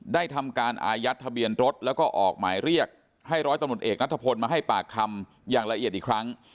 ทำการอายัดทะเบียนรถแล้วก็ออกหมายเรียกให้ร้อยตำรวจเอกนัทพลมาให้ปากคำอย่างละเอียดอีกครั้ง